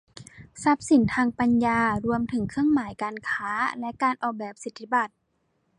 ทรัพย์สินทางปัญญารวมถึงเครื่องหมายการค้าและการออกแบบสิทธิบัตร